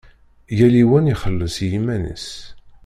Yal yiwen ixelleṣ i yiman-is.